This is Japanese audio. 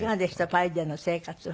パリでの生活は。